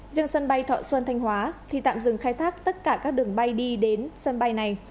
riêng sân bay thọ xuân thanh hóa thì tạm dừng khai thác tất cả các đường bay đi đến sân bay này